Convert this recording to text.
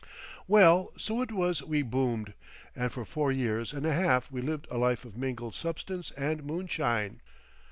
Well, so it was we Boomed, and for four years and a half we lived a life of mingled substance and moonshine.